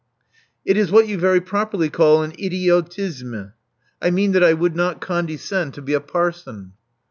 It is what you very properly call an idiotisme. I mean that I would not condescend to be a parson."